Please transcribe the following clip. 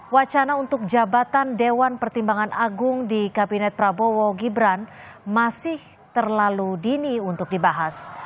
wacana untuk jabatan dewan pertimbangan agung di kabinet prabowo gibran masih terlalu dini untuk dibahas